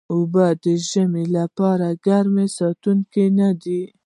اوبه د ژمي لپاره ګرم ساتونکي نه دي